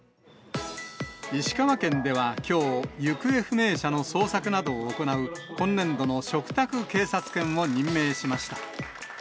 石川県ではきょう、行方不明者の捜索などを行う、今年度の嘱託警察犬を任命しました。